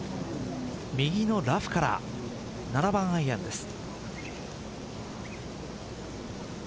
右のラフから７番アイアンです。